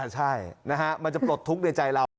ใช่นะฮะมันจะปลดทุกข์ในใจเรา